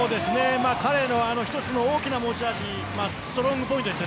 彼の一つの大きな持ち味ストロングポイントです。